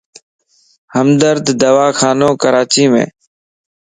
ھمدرد دواخانو ڪراچيم